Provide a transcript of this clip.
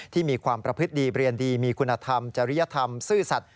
ที่มีความประพฤติดีเรียนดีมีคุณธรรมจริยธรรมซื่อสัตว